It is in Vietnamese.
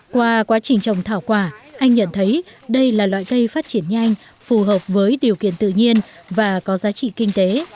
qua quá trình trồng thảo quả anh nhận thấy đây là loại cây phát triển nhanh phù hợp với điều kiện tự nhiên và có giá trị kinh tế